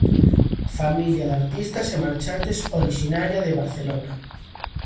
Familia de artistas e marchantes orixinaria de Barcelona.